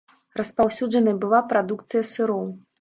Распаўсюджанай была прадукцыя сыроў.